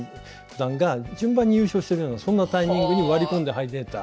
段が順番に優勝してるようなそんなタイミングに割り込んで入れた。